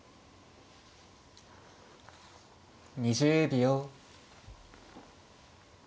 ２０秒。